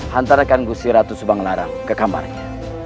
hantarkan gue si ratu bang larang ke kamarnya